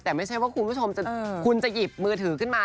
แต่ไม่ใช่ว่าคุณผู้ชมคุณจะหยิบมือถือขึ้นมา